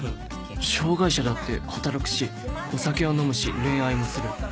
障がい者だって働くしお酒は飲むし恋愛もする